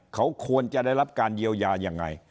เขาควรจะได้รับการเยียวยายังไง